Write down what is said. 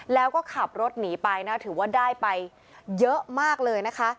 แล้วก็ขับรถหนีไปนะถือว่าได้ไปเยอะมากเลยนะคะ